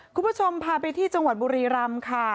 คุณผู้ชมพาไปที่จังหวัดบุรีรำค่ะ